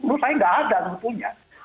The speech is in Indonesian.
menurut saya nggak ada sebetulnya